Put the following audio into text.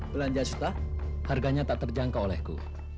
belanja suta harganya tak terjangka olehku